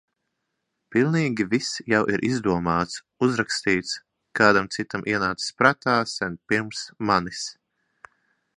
Pilnīgi viss jau ir izdomāts, uzrakstīts, kādam citam ienācis prātā sen pirms manis.